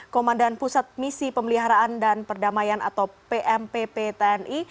komandan pusat misi pemeliharaan dan perdamaian atau pmp ptni